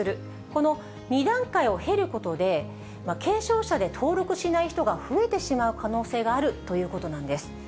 この２段階を経ることで、軽症者で登録しない人が増えてしまう可能性があるということなんです。